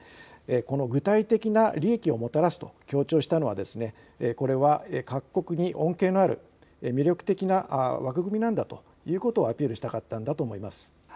この具体的な利益をもたらすと強調したのはこれは各国に恩恵のある魅力的な枠組みなんだということをアピールしたかったんだと思います。